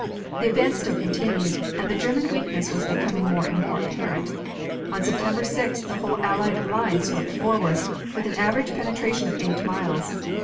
The advance still continued, and the German weakness was becoming more and more apparent. On September 6th the whole Allied line swept forward, with an average penetration of eight miles.